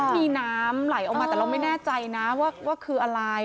ที่มีน้ำไหลออกมาแต่เราไม่แน่ใจนะว่าคืออะไร